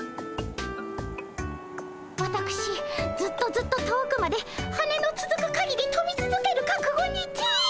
わたくしずっとずっと遠くまで羽のつづくかぎりとびつづけるかくごにて。